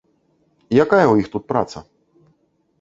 Якая ў іх тут праца?